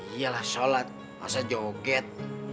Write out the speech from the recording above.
iya lah sholat masa joget